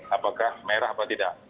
apakah merah atau tidak